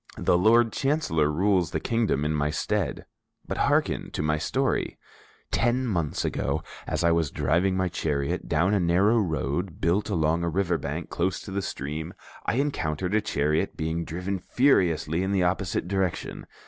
The Lord Chancellor rules the kingdom in my stead. But hearken to my story. "Ten months ago, as I was driving my chariot down a narrow road built along a river bank close to the stream, I encountered a chariot being driven furiously in the opposite direction.